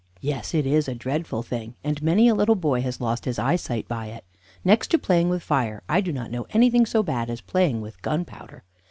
Yes, it is a dreadful thing, and many a little boy has lost his eyesight by it. Next to playing with fire, I do not know anything so bad as playing with gunpowder.